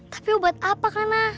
tapi obat apa kena